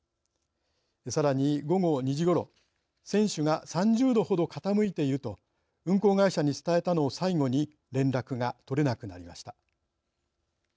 さらに午後２時ごろ船首が３０度ほど傾いていると運航会社に伝えたのを最後に連絡が取れなくなりました。